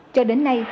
cho đến nay